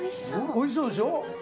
おいしそうでしょ？